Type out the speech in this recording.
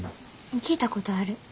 聞いたことある。